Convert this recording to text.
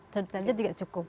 seberat aja tidak cukup